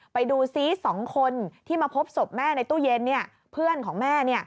ไปดูซิ๒คนที่มาพบศพแม่ในตู้เย็นเพื่อนของแม่